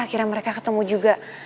akhirnya mereka ketemu juga